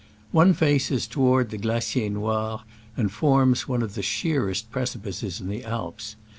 One face is toward the Glacier Noir, and forms one of the sheerest pre cipices in the Alps.